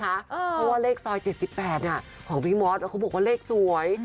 เพราะว่าเลขซอย๗๘ของพี่มอสเขาบอกว่าเลขสวย